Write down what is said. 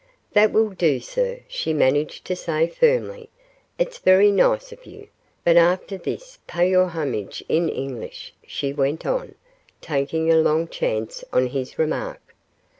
"That will do, sir," she managed to say firmly. "It's very nice of you, but after this pay your homage in English," she went on, taking a long chance on his remark.